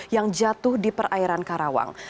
yang jatuh di perairan karawang